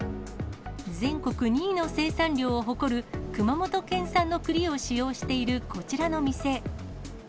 全国２位の生産量を誇る熊本県産の栗を使用しているこちらの店。